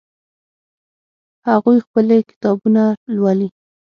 هغوی خپلې کتابونه لولي